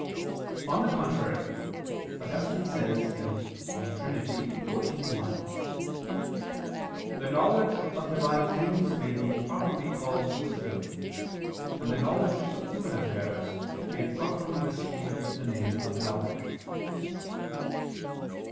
On the contrary, Augustine says (De Trin. xiv, 1): "The knowledge of Divine things may be properly called wisdom, and the knowledge of human affairs may properly receive the name of knowledge."